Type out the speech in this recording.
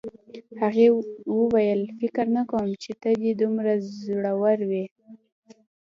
هغې وویل فکر نه کوم چې ته دې دومره زړور وې